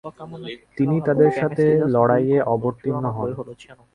তিনি তাদের সাথে লড়াইয়ে অবতীর্ণ হন।